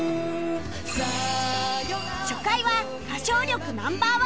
初回は歌唱力 Ｎｏ．１ を決める